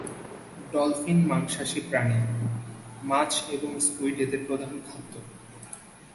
Dolphin মাংসাশী প্রাণী, মাছ এবং স্কুইড এদের প্রধান খাদ্য।